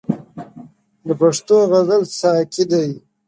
د پښتو غزل ساقي دی,